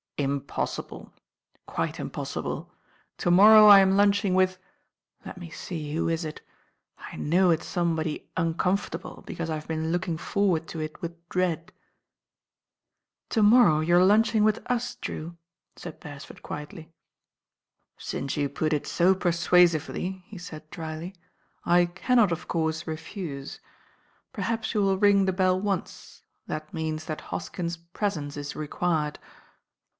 "Impossible, quite impossible. To morrow I am lunching with— let me see, who is it? I know it's somebody uncomfortable, because I have been look ing forward to it with dread." "To.morro,w you are lunching with us, Drew," said Beresford quietly. ^ "Since you put it so persuasively," he said drily, I cannot of course refuse. Perhaps you will ring the bell once, that means that Hoskins' presence is required."